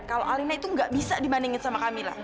kalau alena itu gak bisa dibandingin sama kamila